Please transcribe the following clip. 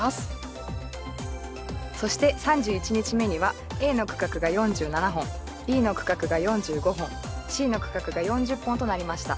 そして３１日目にはＡの区画が４７本Ｂの区画が４５本Ｃの区画が４０本となりました。